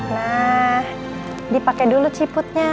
nah dipakai dulu ciputnya